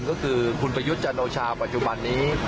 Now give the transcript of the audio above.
ก็คือคุณประยุทธ์จันโอชาปัจจุบันนี้